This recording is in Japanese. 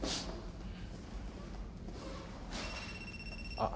あっ。